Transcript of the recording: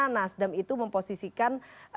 nasden itu memposisikan